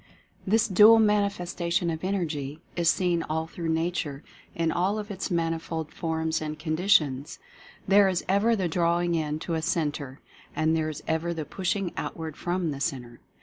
This dual manifestation of Energy 178 Mental Fascination is seen all through Nature in all of its manifold forms and conditions. There is ever the drawing in to a centre — and there is ever the pushing outward from the centre.